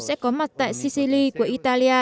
sẽ có mặt tại sicily của italia